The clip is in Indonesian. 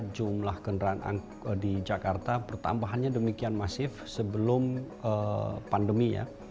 jumlah kendaraan di jakarta pertambahannya demikian masif sebelum pandemi ya